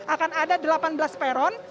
akan ada delapan belas peron